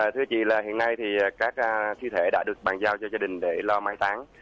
thưa chị hiện nay thì các thi thể đã được bàn giao cho gia đình để lo mai táng